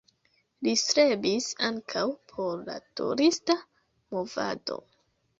Li strebis ankaŭ por la turista movado.